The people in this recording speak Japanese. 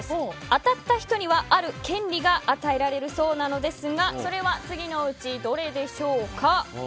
当たった人にはある権利が与えられるそうですがそれは次のうちどれでしょうか。